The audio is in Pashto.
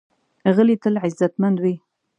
غلی، تل عزتمند وي.